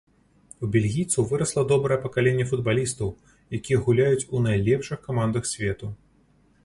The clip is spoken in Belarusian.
У бельгійцаў вырасла добрае пакаленне футбалістаў, якія гуляюць у найлепшых камандах свету.